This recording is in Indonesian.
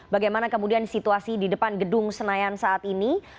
bagaimana kemudian situasi di depan gedung senayan saat ini